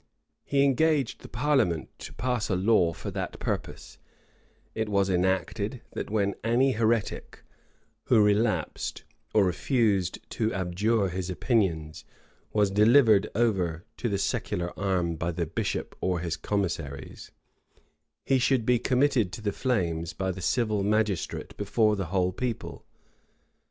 He engaged the parliament to pass a law for that purpose: it was enacted, that when any heretic, who relapsed, or refused to abjure his opinions, was delivered over to the secular arm by the bishop or his commissaries, he should be committed to the flames by the civil magistrate before the whole people.